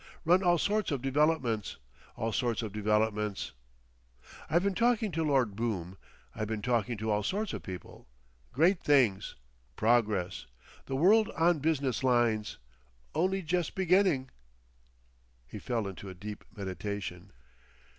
Run all sorts of developments. All sorts of developments. I been talking to Lord Boom. I been talking to all sorts of people. Great things. Progress. The world on business lines. Only jes' beginning."... He fell into a deep meditation.